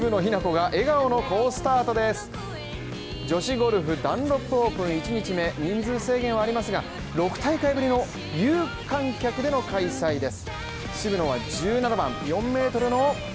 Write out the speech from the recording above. ゴルフダンロップオープン１日目、人数制限はありますが、６大会ぶりの有観客での開催です。